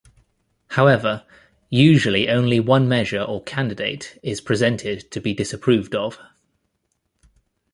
However, usually only one measure or candidate is presented to be disapproved of.